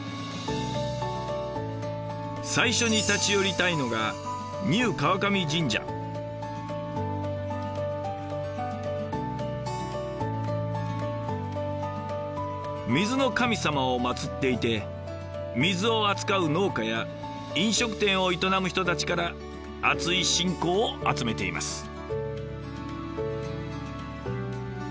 最初に立ち寄りたいのが水の神様をまつっていて水を扱う農家や飲食店を営む人たちからあつい信仰を集めています。